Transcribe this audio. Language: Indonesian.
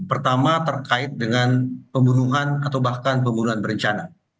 pertama terkait dengan pembunuhan atau bahkan pembunuhan berencana